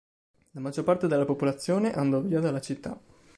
La maggior parte della popolazione andò via dalla città.